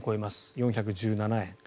４１７円。